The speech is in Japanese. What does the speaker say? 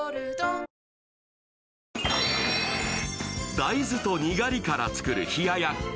大豆とにがりから作る冷奴。